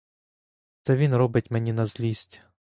Це він робить мені на злість.